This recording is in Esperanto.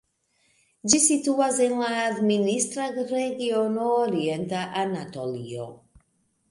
Ĝi situas en la administra regiono Orienta Anatolio.